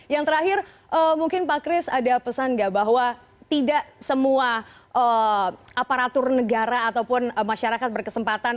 yang terakhir mungkin pak kris ada pesan nggak bahwa tidak semua aparatur negara ataupun masyarakat berkesempatan